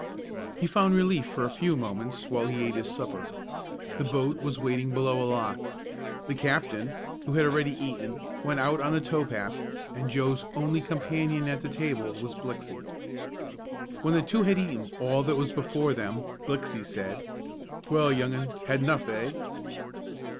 He found relief for a few moments while he ate his supper. The boat was waiting below a lock. The captain, who had already eaten, went out on the tow path, and Joe's only companion at the table was Blixey. When the two had eaten all that was before them, Blixey said: "Well, young un, had enough, eh?"